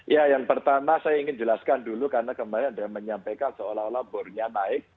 ya yang pertama saya ingin jelaskan dulu karena kemarin ada yang menyampaikan seolah olah bornya naik